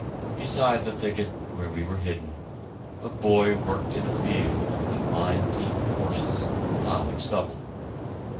Beside the thicket where we were hidden, a boy worked in a field with a fine team of horses, ploughing stubble.